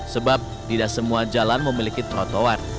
sebab tidak semua jalan memiliki trotoar